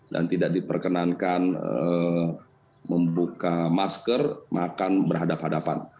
dan tidak diperkenankan membuka masker makan berhadapan hadapan